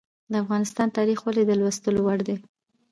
د افغانستان تاریخ ولې د لوستلو وړ دی؟